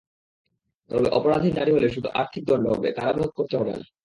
তবে অপরাধী নারী হলে শুধু আর্থিক দণ্ড হবে, কারাভোগ করতে হবে না।